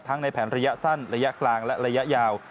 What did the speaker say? ในแผนระยะสั้นระยะกลางและระยะยาว